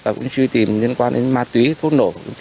và cũng truy tìm liên quan đến ma túy thuốc nổ